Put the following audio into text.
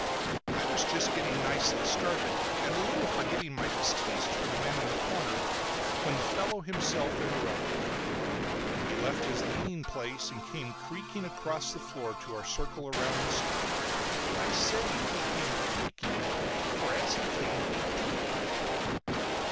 I was just getting nicely started, and a little forgetting my distaste for the man in the corner, when the fellow himself interrupted. He left his leaning place, and came creaking across the floor to our circle around the store. I say he came "creaking" for as he came he did creak.